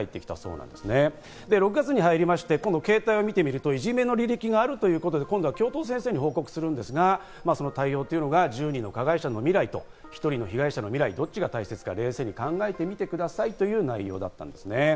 そして６月、携帯を見てみると、いじめの履歴があるので、教頭先生に報告するんですが、その対応が１０人の加害者の未来と１人の被害者の未来、どっちが大切か冷静に考えてみてくださいという内容でした。